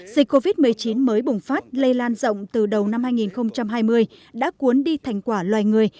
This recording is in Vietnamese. dịch covid một mươi chín mới bùng phát lây lan rộng từ đầu năm hai nghìn hai mươi đã cuốn đi thành quả loài người